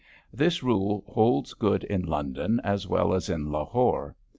This rule holds good in London as well as in Lahore.